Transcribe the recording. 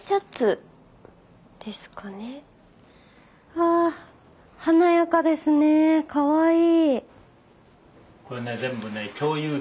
わ華やかですねかわいい。